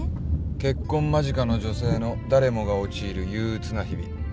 結婚間近の女性の誰もが陥る憂うつな日々。